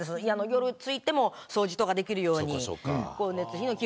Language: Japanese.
夜に着いても掃除とかできるように。